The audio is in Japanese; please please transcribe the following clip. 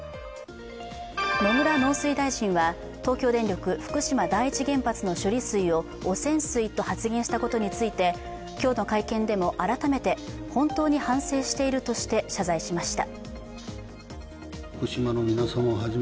野村農水大臣は東京電力福島第一原発の処理水を汚染水と発言したことについて今日の会見でも改めて本当に反省しているとして謝罪しました。